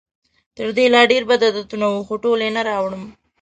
تر دې لا ډېر بد عادتونه وو، خو ټول یې نه راوړم.